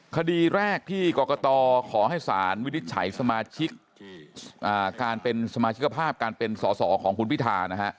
คดีแรกที่กรกตขอให้สารวินิจฉัยสมาชิกการเป็นสมาชิกภาพการเป็นสอสอของคุณพิธานะฮะ